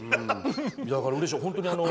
だからうれしい、本当に。